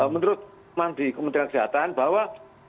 menurut mandi kementerian kesehatan bahwa